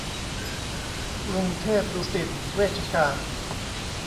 กรุงเทพดุสิตเวชการ